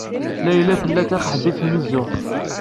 Layla tella taqeḥbit m-zuxx.